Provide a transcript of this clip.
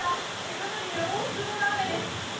かなり大粒の雨です。